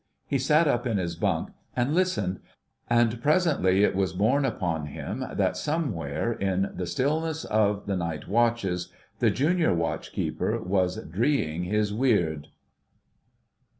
He sat up in his bunk and listened, and presently it was borne upon him that somewhere, in the stillness of the night, watches, the Junior Watch keeper was dreeing his weird.